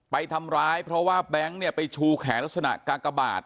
ไปทำร้ายเพราะว่าแบงค์เนี่ยไปชูแขนลักษณะกากบาท